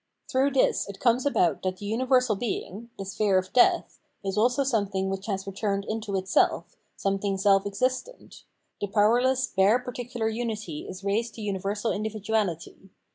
Through this it comes about that the universal being, the sphere of death, is also something which has returned into itself, something self existent ; the powerless bare particular unity is raised to universal individuahty.